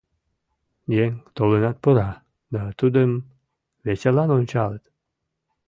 Еҥ толынат пура, да тудым веселан ончалыт.